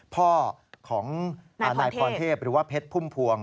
พ่อของนายพรเทพหรือว่าเพชรพุ่มพวง